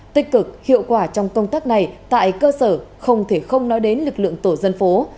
tích cực hiệu quả trong công tác này tại cơ sở không thể không nói đến lực lượng tổ dân phố